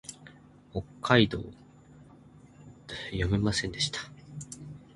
北海道弟子屈町